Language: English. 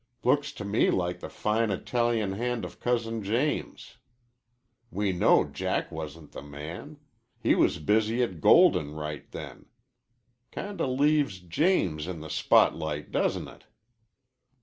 Looks to me like the fine Italian hand of Cousin James. We know Jack wasn't the man. He was busy at Golden right then. Kinda leaves James in the spotlight, doesn't it?"